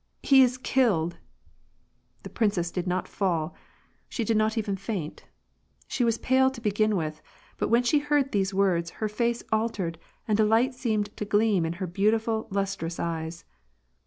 " He is killed !" The princess did not fall ; she did not even feel faint. She was pale to begin with, but when she heard these words her face altered and a light seemed to gleam in her beautiful, lus trous eyes.